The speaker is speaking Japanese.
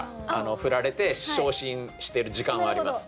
振られて傷心してる時間はあります。